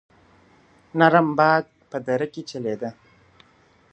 نرم باد په دره کې چلېده.